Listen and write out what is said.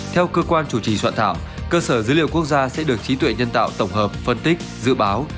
theo cơ quan chủ trì soạn thảo cơ sở dữ liệu quốc gia sẽ được trí tuệ nhân tạo tổng hợp phân tích dự báo